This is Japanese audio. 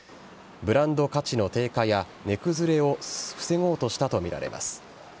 ブランド価値の低下や値崩れを防ごうとしたと見られます。